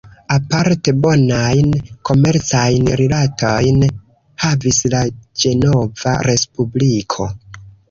Aparte bonajn komercajn rilatojn havis la Ĝenova Respubliko.